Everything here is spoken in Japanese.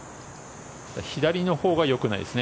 左のほうがよくないですね。